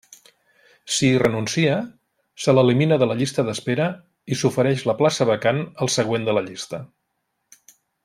Si hi renuncia, se l'elimina de la llista d'espera i s'ofereix la plaça vacant al següent de la llista.